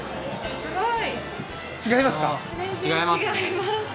すごい！